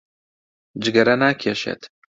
جگەرە ناکێشێت.